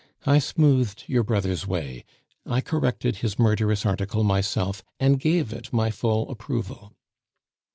I smoothed your brother's way; I corrected his murderous article myself, and gave it my full approval.